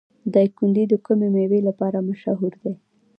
دایکنډي د کومې میوې لپاره مشهور دی؟